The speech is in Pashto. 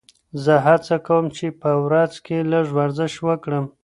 زه هڅه کوم چې په ورځ کې لږ ورزش وکړم.